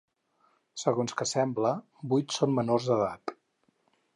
Segons que sembla, vuit són menors d’edat.